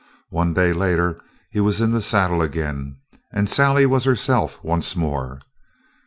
One day later he was in the saddle again, and Sally was herself once more.